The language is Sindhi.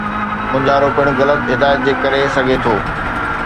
مونجهارو پڻ غلط هدايت جي ڪري سگھي ٿو.